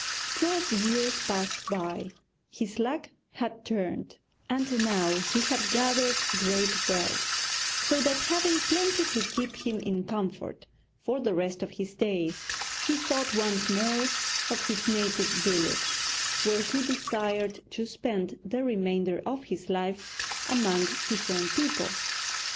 Twelve years passed by; his luck had turned, and now he had gathered great wealth, so that having plenty to keep him in comfort for the rest of his days, he thought once more of his native village, where he desired to spend the remainder of his life among his own people.